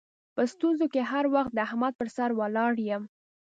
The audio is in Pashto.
په ستونزو کې هر وخت د احمد پر سر ولاړ یم.